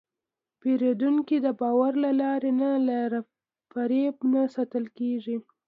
پیرودونکی د باور له لارې نه، له فریب نه ساتل کېږي.